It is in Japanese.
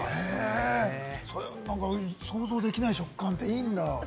想像できない食感って、いいんだ。